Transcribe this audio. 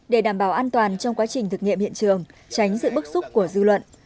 để đảm bảo an toàn trong quá trình thực nghiệm hiện trường tránh sự bức xúc của dư luận